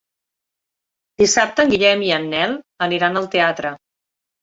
Dissabte en Guillem i en Nel aniran al teatre.